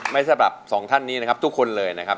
สำหรับสองท่านนี้นะครับทุกคนเลยนะครับ